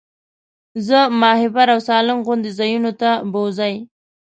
زه ماهیپر او سالنګ غوندې ځایونو ته بوځئ.